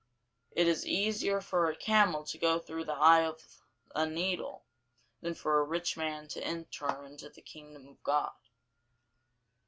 It is easier for a camel to go through the eye of a needle, than for a rich man to enter into the kingdom of God.